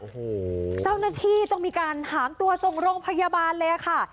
โอ้โหเจ้าหน้าที่ต้องมีการหามตัวส่งโรงพยาบาลเลยค่ะ